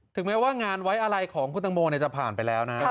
ถึงแม้ว่างานไว้อะไลก์ของคุณตางโมจะผ่านไปแล้ว